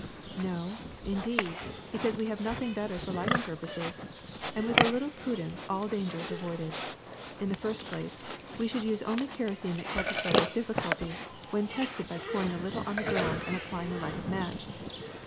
*^No, indeed, because we have nothing better for lighting purposes, and with a little prudence all danger is avoided. In the first place, we should use only kerosene that catches fire with difficulty when tested by pouring a little on the ground and applying a lighted match.